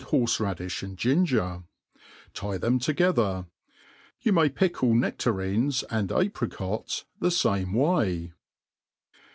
horfe radi(h and gingec ; tie them together. Yoa oiay picide oe^rines and apricots the fame way.